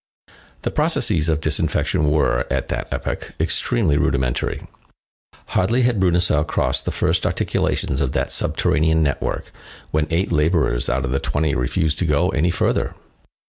The processes of disinfection were, at that epoch, extremely rudimentary. Hardly had Bruneseau crossed the first articulations of that subterranean network, when eight laborers out of the twenty refused to go any further.